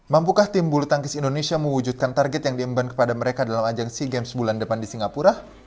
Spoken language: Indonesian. mampukah tim bulu tangkis indonesia mewujudkan target yang diemban kepada mereka dalam ajang sea games bulan depan di singapura